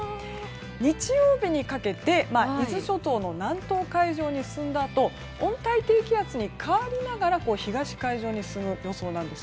日曜日にかけて伊豆諸島の南東海上に進んだあと温帯低気圧に変わりながら東海上に進む予想なんです。